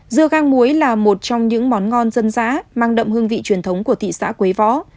dưa gang muối là một trong những món ngon dân dã mang đậm hương vị truyền thống của thị xã quế võ